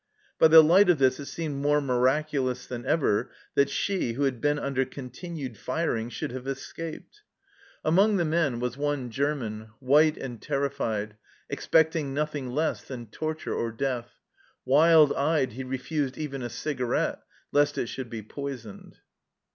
By the light of this it seemed more miraculous than ever that she, who had been under continual firing, should have escaped. Among the men was 24 186 THE CELLAR HOUSE OF PERVYSE one German, white and terrified, expecting nothing less than torture or death ; wild eyed, he refused even a cigarette, lest it should be poisoned